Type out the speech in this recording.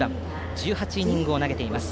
１８イニングを投げています。